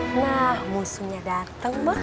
nah musimnya datang mak